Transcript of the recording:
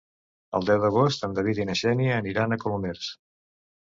El deu d'agost en David i na Xènia aniran a Colomers.